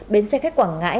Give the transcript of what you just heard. bến xe khách quảng ngãi